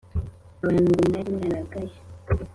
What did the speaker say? abantu ngo mwari mwarangaye